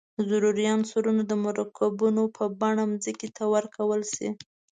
ضروري عنصرونه د مرکبونو په بڼه ځمکې ته ورکول شي.